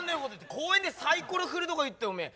公園でサイコロ振るとか言っておめえ。